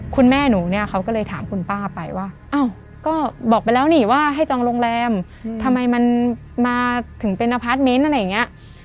คุณแม่หนูเนี่ยเขาก็เลยถามคุณป้าไปว่าอ้าวก็บอกไปแล้วนี่ว่าให้จองโรงแรมทำไมมันมาถึงเป็นอพาร์ทเมนต์อะไรอย่างนี้